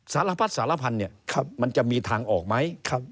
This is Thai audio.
สารพัดสารพันธุ์มันจะมีทางออกไหม